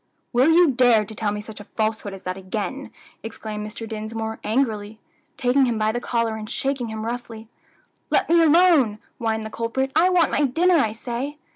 "Will you dare to tell me such a falsehood as that again?" exclaimed Mr. Dinsmore, angrily, taking him by the collar and shaking him roughly. "Let me alone now," whined the culprit. "I want my dinner, I say."